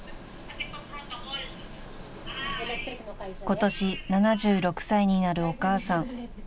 ［今年７６歳になるお母さん］